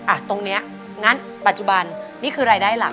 อ่ะตรงนี้งั้นปัจจุบันนี่คือรายได้หลัก